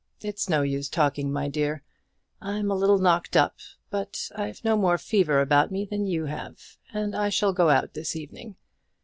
It's no use talking, my dear; I'm a little knocked up, but I've no more fever about me than you have, and I shall go out this evening.